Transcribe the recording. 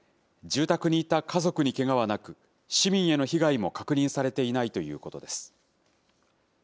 住宅にいた家族にけがはなく、市民への被害も確認されていないということです。